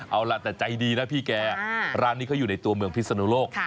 เอาล่ะแต่ใจดีนะพี่แกร้านนี้เขาอยู่ในตัวเมืองพิศนุโลก